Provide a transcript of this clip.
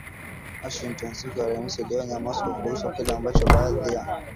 Washington siku ya Alhamis iliionya Moscow kuhusu kile ambacho baadhi ya